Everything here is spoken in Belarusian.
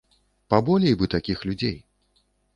Паболей бы такіх людзей.